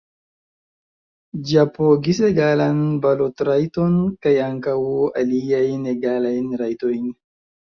Ĝi apogis egalan balotrajton, kaj ankaŭ aliajn egalajn rajtojn.